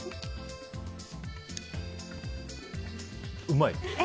うまい？